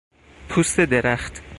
پوست درخت